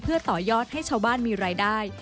เพื่อต่อยอดให้ชาวบ้านมีรายได้